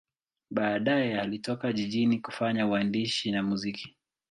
Baadaye alitoka jijini kufanya uandishi na muziki.